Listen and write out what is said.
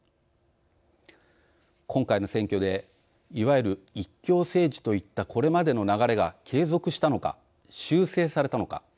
今回の選挙でいわゆる一強政治といったこれまでの流れが継続したのか修正されたのか。